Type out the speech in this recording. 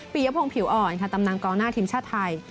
ยพงศ์ผิวอ่อนค่ะตำนานกองหน้าทีมชาติไทย